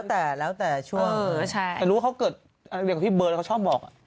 แต่รู้ว่าเขาเกิดเรื่อยกว่าพี่เบิร์นแล้วเขาชอบบอก